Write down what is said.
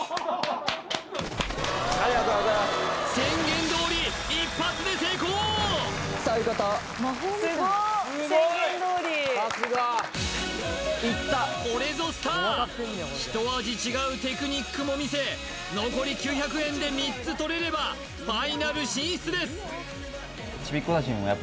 ありがとうございます宣言どおり一発で成功そういうことこれぞスターひと味違うテクニックも見せ残り９００円で３つ取れればファイナル進出です